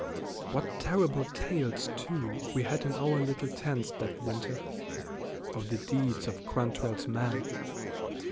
What terrible tales, too, we had in our little tents that winter, of the deeds of Quantrell's men.